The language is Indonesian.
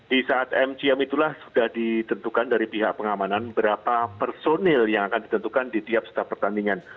di saat mcm itulah sudah ditentukan dari pihak pengamanan berapa personil yang akan ditentukan di tiap setiap pertandingan